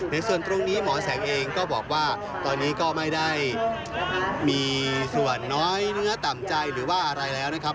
ในส่วนตรงนี้หมอแสงเองก็บอกว่าตอนนี้ก็ไม่ได้มีส่วนน้อยเนื้อต่ำใจหรือว่าอะไรแล้วนะครับ